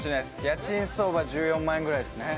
家賃相場１４万円ぐらいですね